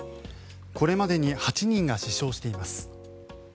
これまでに８人が死傷しています。